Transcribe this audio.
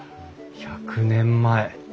１００年前。